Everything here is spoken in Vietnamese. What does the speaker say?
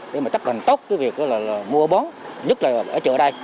để mà chấp hành tốt cái việc là mua bón nhất là ở chợ đây